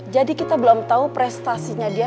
jadi kita belum tahu prestasinya dia